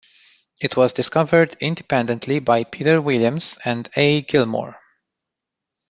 It was discovered independently by Peter Williams and A. Gilmore.